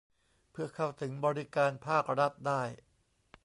เพื่อเข้าถึงบริการภาครัฐได้